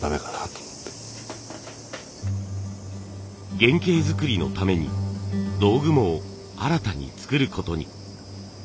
原型づくりのために道具も新たに作ることに。